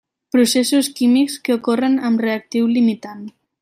Processos químics que ocorren amb reactiu limitant.